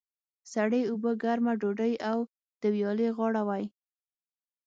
سړې اوبه، ګرمه ډودۍ او د ویالې غاړه وای.